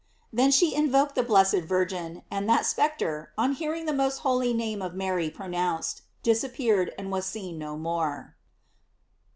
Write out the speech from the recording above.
Then she invoked the blessed Virgin; and that spectre, on hearing the most holy name of Mary pronounced, disappeared and was seen no more.